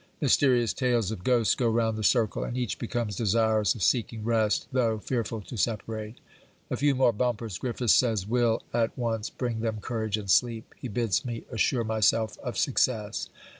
Mysterious tales of ghosts go round the circle; and each becomes desirous of seeking rest, though fearful to separate. A few more bumpers Griffiths says will at once bring them courage and sleep. He bids me assure myself of success.